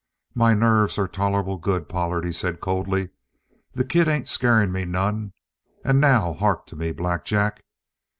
"My nerves are tolerable good, Pollard," he said coldly. "The kid ain't scaring me none. And now hark to me, Black Jack.